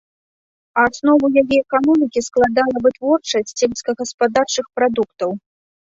Аснову яе эканомікі складала вытворчасць сельскагаспадарчых прадуктаў.